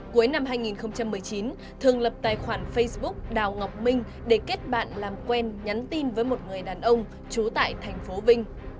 cuối năm hai nghìn một mươi chín thường lập tài khoản facebook đào ngọc minh để kết bạn làm quen nhắn tin với một người đàn ông trú tại thành phố vinh